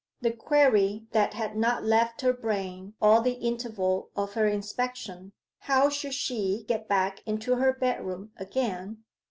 The query that had not left her brain all the interval of her inspection how should she get back into her bedroom again?